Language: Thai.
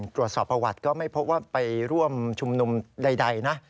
ตรวจสอบประวัติก็ไม่พบว่าไปร่วมชุมนุมใดนะ